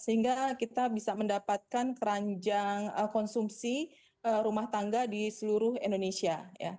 sehingga kita bisa mendapatkan keranjang konsumsi rumah tangga di seluruh indonesia